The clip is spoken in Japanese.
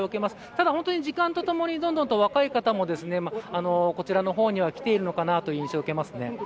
ただ時間とともに若い方もこちらの方には来ているのかなという印象を受けます。